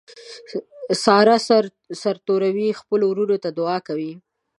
ساره سر سرتوروي خپلو ورڼو ته دعاکوي.